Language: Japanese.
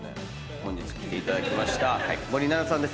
本日来ていただきました森七菜さんです。